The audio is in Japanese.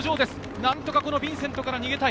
何とかヴィンセントから逃げたい。